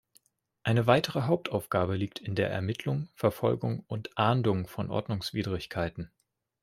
Eine weitere Hauptaufgabe liegt in der Ermittlung, Verfolgung und Ahndung von Ordnungswidrigkeiten.